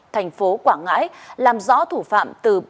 thành phố quảng ngãi làm rõ thủ phạm từ